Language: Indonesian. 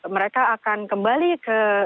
mereka akan kembali ke